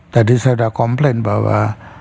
tadi saya sudah komplain bahwa